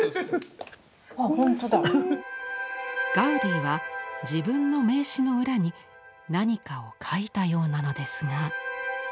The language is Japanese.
ガウディは自分の名刺の裏に何かを描いたようなのですが。